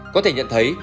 có thể nhận thấy